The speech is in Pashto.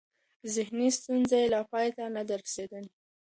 ذهني ستونزې یې لا پای ته نه دي رسېدلې.